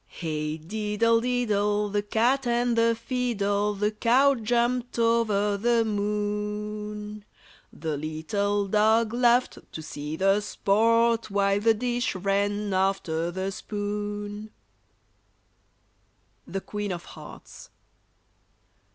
] Hey diddle diddle, The cat and the fiddle, The cow jumped over the moon, The little dog laughed To see the sport, While the dish ran after the spoon. [Illustration: THE QUEEN OF HEARTS.